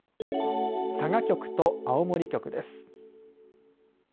佐賀局と青森局です。